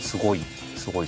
すごい！